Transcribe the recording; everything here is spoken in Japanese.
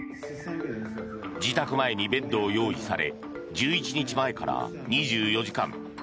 自宅前にベッドを用意され１１日前から２４時間